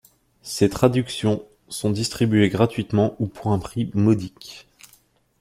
Ces traductions sont distribuées gratuitement ou pour un prix modique.